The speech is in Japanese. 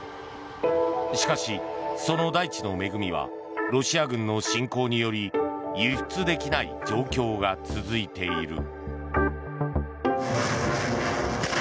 しかし、その大地の恵みはロシア軍の侵攻により輸出できない状況が続いている。